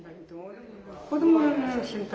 子ども心配？